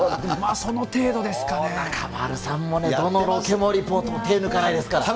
中丸さんもね、どのロケもリポート、手抜かないですから。